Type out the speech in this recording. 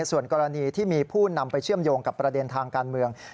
ส่วนกรณีที่มีผู้นำไปเชื่อมโยงกับประเด็นทางการเมือง